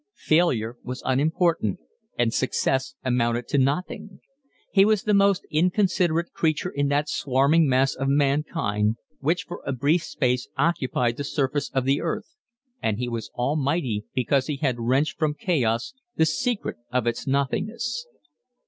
Failure was unimportant and success amounted to nothing. He was the most inconsiderate creature in that swarming mass of mankind which for a brief space occupied the surface of the earth; and he was almighty because he had wrenched from chaos the secret of its nothingness.